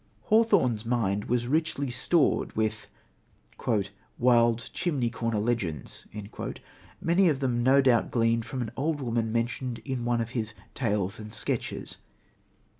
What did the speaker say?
Hawthorne's mind was richly stored with "wild chimney corner legends," many of them no doubt gleaned from an old woman mentioned in one of his Tales and Sketches.